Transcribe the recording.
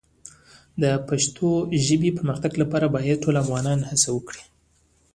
د پښتو ژبې د پرمختګ لپاره باید ټول افغانان هڅه وکړي.